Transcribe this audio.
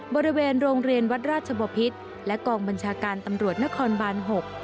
บริเวณโรงเรียนวัดราชบพิษและกองบัญชาการตำรวจนครบาน๖